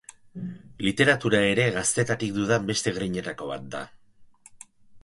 Literatura ere gaztetatik dudan beste grinetako bat da.